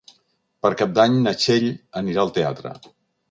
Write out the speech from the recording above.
Per Cap d'Any na Txell anirà al teatre.